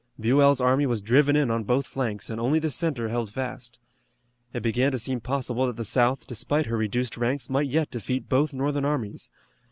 Buell's army was driven in on both flanks, and only the center held fast. It began to seem possible that the South, despite her reduced ranks might yet defeat both Northern armies.